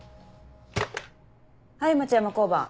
はい町山交番。